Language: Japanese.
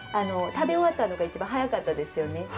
食べ終わったのが一番早かったですよね。